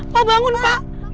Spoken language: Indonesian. pak bangun pak